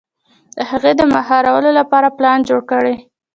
د هغې د مهارولو لپاره پلان جوړ کړي.